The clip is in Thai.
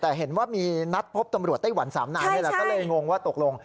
แต่เห็นว่ามีนัดพบตำรวจไต้หวันสามนายนี่แหละก็เลยงงว่าตกลง